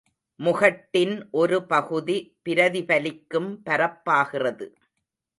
முகட்டின் ஒரு பகுதி பிரதிபலிக்கும் பரப்பாகிறது.